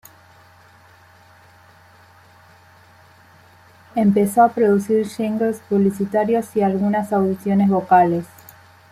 Empezó a producir jingles publicitarios y algunos audiciones vocales.